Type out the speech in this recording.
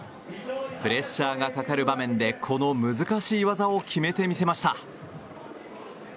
プレッシャーがかかる場面でこの難しい技を決めて見せました。